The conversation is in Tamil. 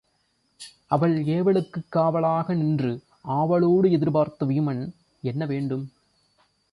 அவள் ஏவலுக்குக் காவலாக நின்று ஆவலோடு எதிர்பார்த்து வீமன், என்ன வேண்டும்?